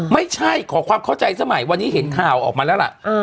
ไม่ใช่ขอความเข้าใจสมัยวันนี้เห็นข่าวออกมาแล้วล่ะ